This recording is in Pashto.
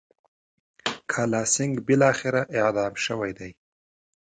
کالاسینګهـ بالاخره اعدام شوی دی.